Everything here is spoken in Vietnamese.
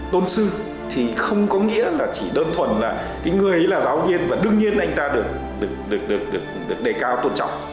tôn sư thì không có nghĩa là chỉ đơn thuần là người ấy là giáo viên và đương nhiên là anh ta được đề cao tôn trọng